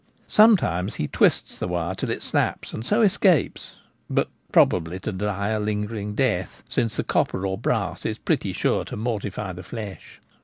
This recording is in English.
Sometimes he twists the wire till it snaps, and so escapes — but probably to die a lingering death, since the copper or brass is pretty sure to mortify the flesh.